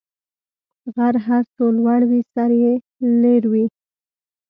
غر هر څو لوړ وي، سر یې لېر لري.